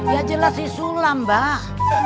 ya jelas isulah mbak